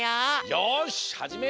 よしはじめよう！